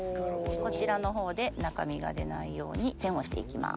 こちらのほうで中身が出ないように栓をして行きます。